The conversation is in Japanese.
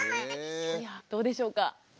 どうでしょうか？